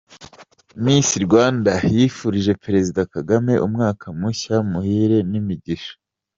Misi Rwanda yifurije Perezida Kagame umwaka mushya muhire n’imigisha